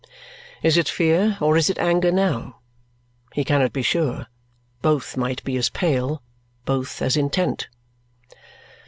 Is it fear or is it anger now? He cannot be sure. Both might be as pale, both as intent.